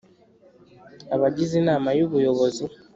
abagize inama y ubuyobozi